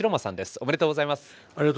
ありがとうございます。